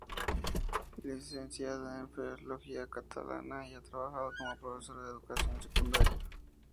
Licenciada en Filología Catalana, y ha trabajado como profesora de Educación secundaria.